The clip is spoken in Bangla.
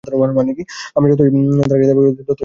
আমরা যতই তার কাছে দাবি করেছি ততই সে আমাদের বশ মেনেছে।